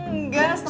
enggak setengah jam